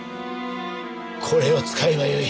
これを使えばよい。